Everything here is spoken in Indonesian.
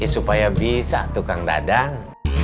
supaya bisa tukang dadang